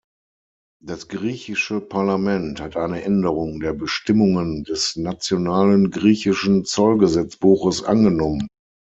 Das griechische Parlament hat eine Änderung der Bestimmungen des nationalen griechischen Zollgesetzbuches angenommen.